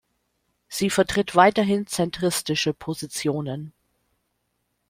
Sie vertritt weiterhin zentristische Positionen.